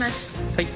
はい。